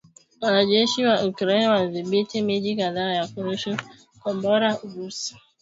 Wanajeshi wa Ukraine wadhibithi miji kadhaa na kurusha Kombora Urusi